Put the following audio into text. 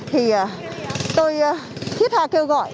thì tôi thiết tha kêu gọi